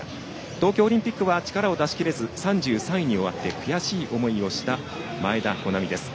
東京オリンピックは力を出し切れず３３位に終わって悔しい思いをした前田穂南です。